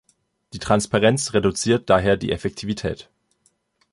Die Transparenz reduziert daher die Effektivität.